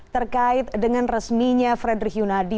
terkait dengan resminya frederick yunadi